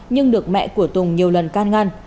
nhưng được mẹ của tùng nhiều lần can ngăn